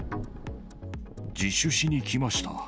自首しに来ました。